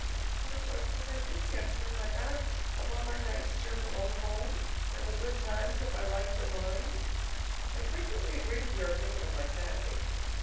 What on earth was I thinking of to turn my back upon my nice cheerful own home and the good times that by rights are mine? I frequently agree with your opinion of my sanity.